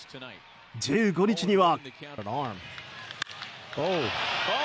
１５日には。